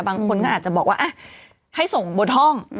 บางคนก็อาจจะบอกว่าให้ส่งบนห้อง